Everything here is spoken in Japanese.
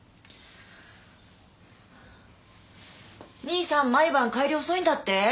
兄さん毎晩帰り遅いんだって？